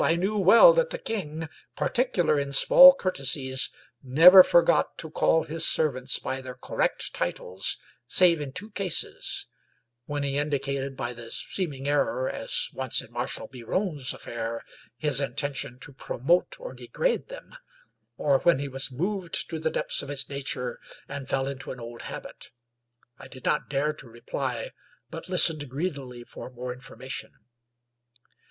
I knew well that the king, particular in small courtesies, never forgot to call his serv ants by their correct titles, save in two cases ; when he indi cated by the seeming error, as once in Marshal Biron's affair, his intention to promote or degrade them ; or when he was moved to the depths of his nature and fell into an old habit. I did not dare to reply, but listened greedily for more information.